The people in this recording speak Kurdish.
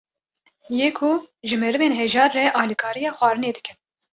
yê ku ji merivên hejar re alîkariya xwarinê dikin